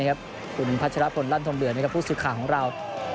คุณพัชรพลรันธมเดือร์ผู้ศึกขาของเรา